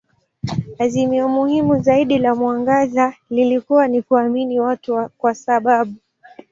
Azimio muhimu zaidi la mwangaza lilikuwa ni kuamini watu kwa sababu.